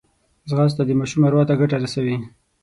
ځغاسته د ماشوم اروا ته ګټه رسوي